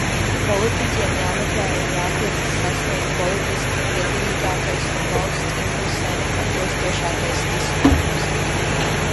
Politiķiem jāmeklē un jātiecas sasniegt politiski lietderīgākais un valsts interesēm atbilstošākais risinājums.